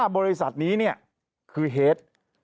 ๕บริษัทนี้เนี่ยคือเฮด